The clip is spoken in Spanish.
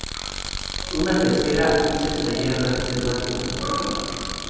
Una tercera hizo estallar las reservas de combustible.